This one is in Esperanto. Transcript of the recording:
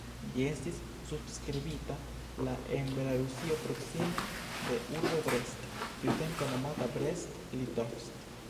Ĝi estis subskribita la en Belarusio, proksime de urbo Brest, tiutempe nomata "Brest-Litovsk'".